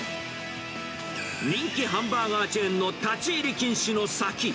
人気ハンバーガーチェーンの立ち入り禁止の先。